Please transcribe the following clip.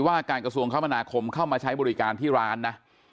ว่าการกระทรวงคมนาคมเข้ามาใช้บริการที่ร้านนะ